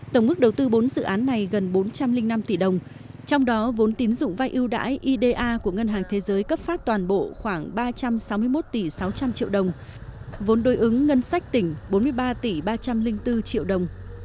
tổng mức đầu tư bốn dự án này gần bốn trăm linh năm tỷ đồng trong đó vốn tín dụng vai ưu đãi ida của ngân hàng thế giới cấp phát toàn bộ khoảng ba trăm sáu mươi một tỷ sáu trăm linh triệu đồng vốn đối ứng ngân sách tỉnh bốn mươi ba tỷ ba trăm linh bốn triệu đồng